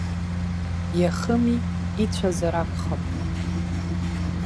Иахыми, ицәазар акәхап.